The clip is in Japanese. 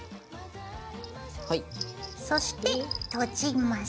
そして閉じます。